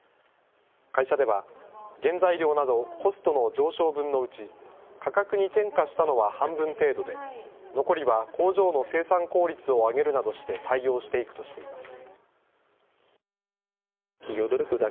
会社では原材料などコストの上昇分のうち価格に転嫁したのは半分程度で残りは工場の生産効率を上げるなどして対応していくとしています。